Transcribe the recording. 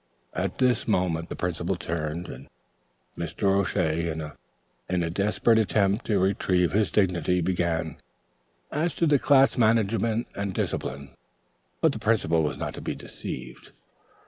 At this moment the Principal turned, and Mr. O'Shea, in a desperate attempt to retrieve his dignity, began: "As to class management and discipline " But the Principal was not to be deceived.